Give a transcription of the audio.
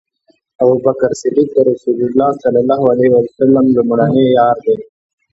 ابوبکر صديق د رسول الله صلی الله عليه وسلم لومړی یار دی